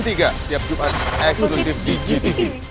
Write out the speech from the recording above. tiap jumat eksklusif di gtv